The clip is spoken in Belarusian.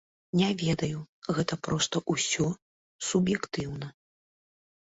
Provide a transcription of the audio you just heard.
Не ведаю, гэта проста ўсё суб'ектыўна.